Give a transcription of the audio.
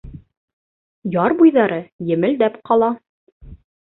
Яр буйҙары емелдәп ҡала.